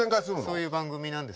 そういう番組なんです。